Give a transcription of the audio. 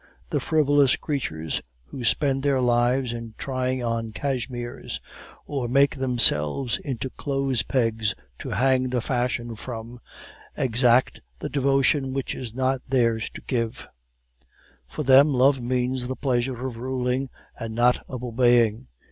The frivolous creatures who spend their lives in trying on cashmeres, or make themselves into clothes pegs to hang the fashions from, exact the devotion which is not theirs to give; for them, love means the pleasure of ruling and not of obeying.